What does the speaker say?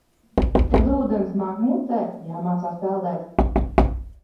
Kad ūdens nāk mutē, jāmācās peldēt.